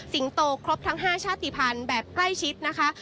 โตครบทั้ง๕ชาติภัณฑ์แบบใกล้ชิดนะคะ